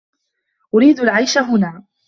أريد العيش هنا.